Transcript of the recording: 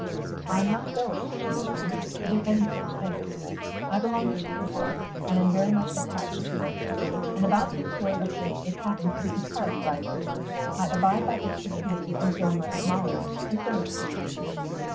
"I'm not going," she returned, "to do any such thing. I belong to the world, and am much attached to it. And about this sort of thing it happens to be entirely right. I abide by its decrees, and so must Molly, and so must you."